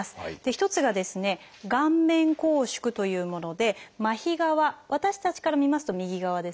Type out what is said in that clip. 一つが「顔面拘縮」というもので麻痺側私たちから見ますと右側ですね。